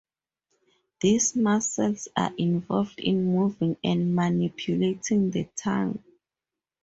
These muscles are involved in moving and manipulating the tongue.